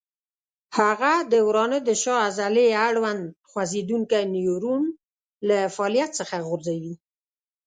هغه د ورانه د شا عضلې اړوند خوځېدونکی نیورون له فعالیت څخه غورځوي.